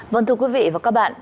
vâng thưa quý vị và các bạn